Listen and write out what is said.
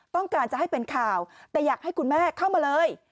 ต้องการจะให้เป็นข่าวแต่อยากให้คุณแม่เข้ามาเลย